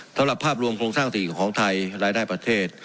สำหรับภาพรวมโครงสร้างเศรษฐกิจของไทยรายได้ประเทศ